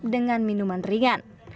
sama dengan minuman ringan